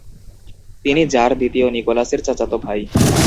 তিনি জার দ্বিতীয় নিকোলাসের চাচাতো ভাই।